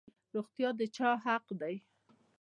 روغتیا د چا حق دی؟